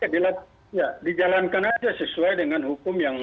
ya dijalankan saja sesuai dengan hukum yang